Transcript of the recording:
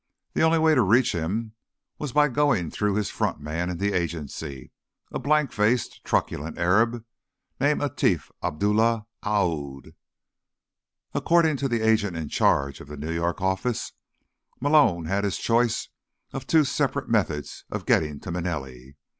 The only way to reach him was by going through his front man in the agency, a blank faced, truculent Arab named Atif Abdullah Aoud. According to the agent in charge of the New York office, Malone had his choice of two separate methods of getting to Manelli.